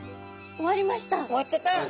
終わっちゃった。